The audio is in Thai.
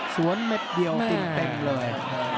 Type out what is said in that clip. สวนเม็ดเดียวติ่มเต็มเลย